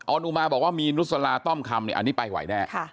อุมาบอกว่ามีนุสลาต้อมคำอันนี้ไปไหวแน่